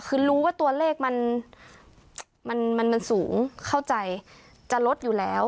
คือรู้ว่าตัวเลขมันสูงเข้าใจจะลดอยู่แล้ว